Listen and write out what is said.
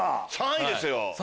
３位ですよ！